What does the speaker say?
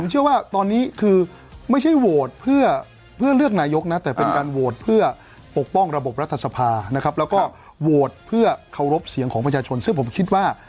โหวตเพื่อเคารพเสียงของประชาชนซึ่งผมคิดว่า